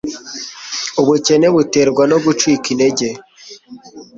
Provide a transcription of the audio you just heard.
Ubukene buterwa no gucika intege